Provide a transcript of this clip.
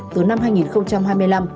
từ năm hai nghìn hai mươi năm